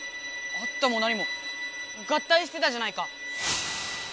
会ったもなにも合体してたじゃないか！